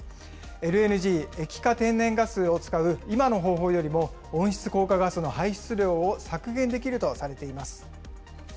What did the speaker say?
ＬＮＧ・液化天然ガスを使う今の方法よりも、温室効果ガスの排出量を削減できるとされています。